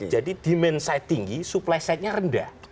jadi di main site tinggi supply sitenya rendah